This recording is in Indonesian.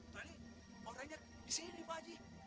ternyata orangnya di sini pak haji